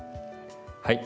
はい。